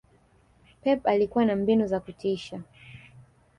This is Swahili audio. Pep alikua na mbinu za kutisha